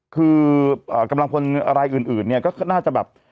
คือกำลังพลอะไรอื่นเนี่ยก็น่าจะแบบ